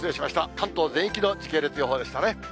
関東全域の時系列予報でしたね。